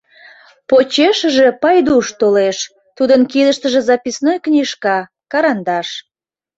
Почешыже Пайдуш толеш, тудын кидыштыже записной книжка, карандаш.